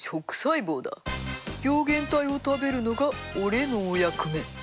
病原体を食べるのが俺のお役目。